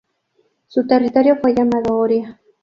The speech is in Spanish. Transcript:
Su territorio fue llamado "Horia".